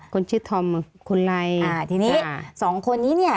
คนชื่อธอมคุณไลอ่าทีนี้สองคนนี้เนี่ย